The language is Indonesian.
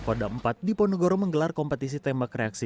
kodam empat di ponegoro menggelar kompetisi tembak reaksi